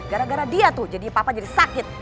gara gara dia tuh jadi papa jadi sakit